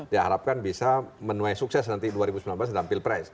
diharapkan bisa menuai sukses nanti dua ribu sembilan belas dan pilpres